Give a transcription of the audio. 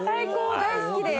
大好きです。